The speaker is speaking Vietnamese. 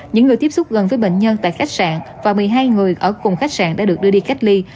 những người tiếp xúc gần với bệnh nhân tại khách sạn và một mươi hai người ở cùng khách sạn đã được đưa đi cách ly